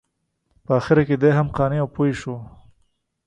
په اخره کې دی هم قانع او پوه شو.